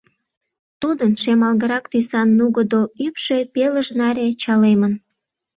Тудын шемалгырак тӱсан нугыдо ӱпшӧ пелыж наре чалемын.